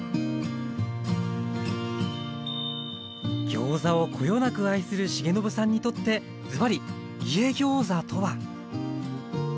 ギョーザをこよなく愛する重信さんにとってずばり「家ギョーザ」とは？